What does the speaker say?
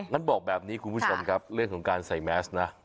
นั้นบอกแบบนี้คุณผู้ชมครับเรื่องของการใส่แมสนะ